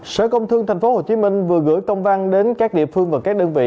sở công thương tp hcm vừa gửi công văn đến các địa phương và các đơn vị